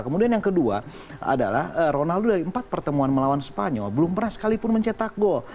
kemudian yang kedua adalah ronaldo dari empat pertemuan melawan spanyol belum pernah sekalipun mencetak gol